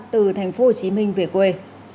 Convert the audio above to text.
từ tp hcm về quê